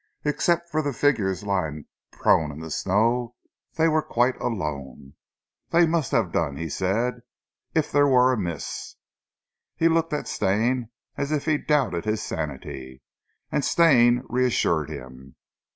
Except for the figures lying prone in the snow they were quite alone. "Dey must haf done," he said, "eef dere was a mees!" He looked at Stane, as if he doubted his sanity and Stane reassured him.